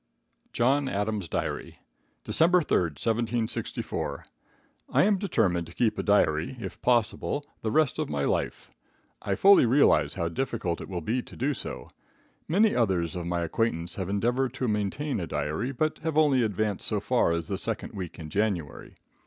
John Adams' Diary. December 3, 1764. I am determined to keep a diary, if possible, the rest of my life. I fully realize how difficult it will be to do so. Many others of my acquaintance have endeavored to maintain a diary, but have only advanced so far as the second week in January.